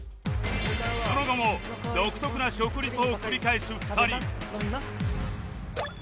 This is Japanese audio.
その後も独特な食リポを繰り返す２人